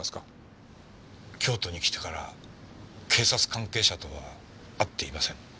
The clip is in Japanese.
京都に来てから警察関係者とは会っていません。